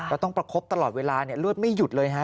แล้วต้องประคบตลอดเวลาเนี่ยเลือดไม่หยุดเลยฮะ